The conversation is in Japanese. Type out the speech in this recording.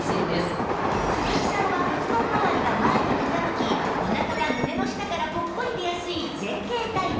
鈴木さんは骨盤まわりが前に傾きお腹が胸の下からポッコリ出やすい前傾タイプ